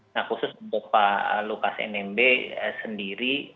nah khusus untuk pak lukas nmb sendiri